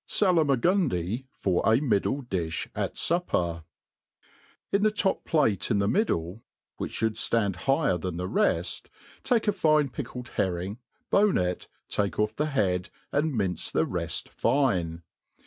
Salmagundy for a Middle Dijh at Supper. IN the top plate in the middle, which fliould fiand higher than the reft , take a fine pickled herring, bone it, take off the hea<l, and mince the reft fine.